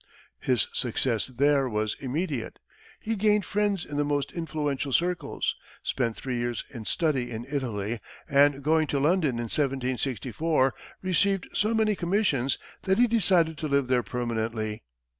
His success there was immediate. He gained friends in the most influential circles, spent three years in study in Italy, and going to London in 1764, received so many commissions that he decided to live there permanently.